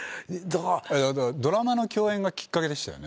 ドラマの共演がきっかけでしたよね？